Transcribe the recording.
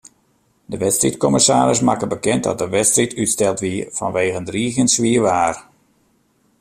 De wedstriidkommissaris makke bekend dat de wedstriid útsteld wie fanwege driigjend swier waar.